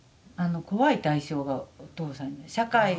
怖い対象がお父さんで社会。